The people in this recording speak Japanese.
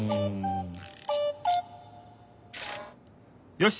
よし！